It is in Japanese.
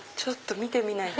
見てみないと。